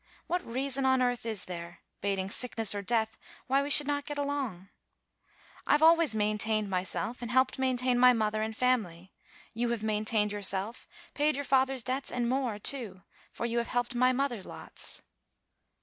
What reason on earth is there, bating sickness or death, why we should not get along? I've always maintained myself, and helped maintain my mother and family. You have maintained yourself, paid your father's debts, and more too, for you have helped my mother lots."